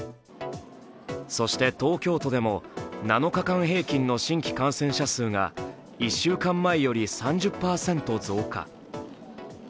そして東京都でも、７日間平均の新規感染者数が１週間前より３０％増加。